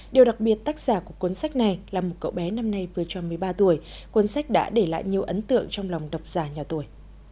điều đặc biệt tác giả của cuốn sách này là một cậu bé năm nay vừa tròn một mươi ba tuổi cuốn sách đã để lại nhiều ấn tượng trong lòng đọc giả nhỏ tuổi